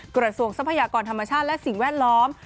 กระทรวงทรัพยากรธรรมชาติและสิ่งแวดล้อม